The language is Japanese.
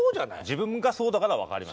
自分がそうだから分かります。